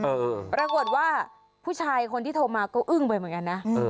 ปรากฏว่าผู้ชายคนที่โทรมาก็อึ้งไปเหมือนกันนะ